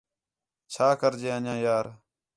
چھا کر جے انڄیاں یار